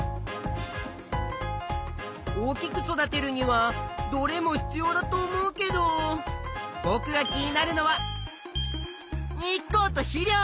大きく育てるにはどれも必要だと思うけどぼくが気になるのは日光と肥料。